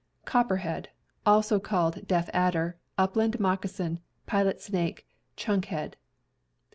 Copperhead (also called deaf adder, upland moccasin, pilot snake, chunk head).